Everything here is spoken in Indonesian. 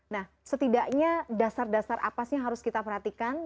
nah setidaknya dasar dasar apa sih yang harus kita perhatikan